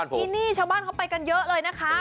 ที่นี่ชาวบ้านเขาไปกันเยอะเลยนะคะ